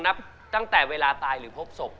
นับตั้งแต่เวลาตายหรือพบศพ